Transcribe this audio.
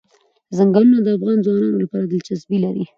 ځنګلونه د افغان ځوانانو لپاره دلچسپي لري.